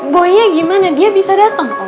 boynya gimana dia bisa dateng om